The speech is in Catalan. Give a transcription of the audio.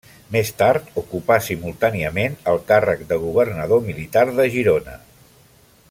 Més tard ocupà simultàniament el càrrec de governador militar de Girona.